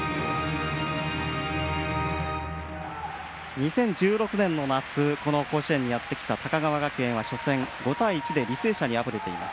２０１６年の夏この甲子園にやってきた高川学園は初戦５対１で履正社に敗れています。